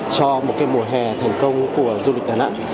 cho một mùa hè thành công của du lịch đà nẵng